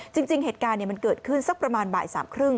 จริงเหตุการณ์มันเกิดขึ้นสักประมาณบ่าย๓๓๐